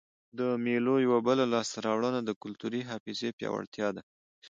د مېلو یوه بله لاسته راوړنه د کلتوري حافظې پیاوړتیا ده.